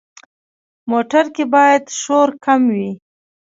موټر کې باید شور کم وي.